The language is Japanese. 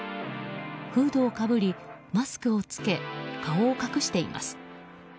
フードをかぶり、マスクを着け顔を隠しています。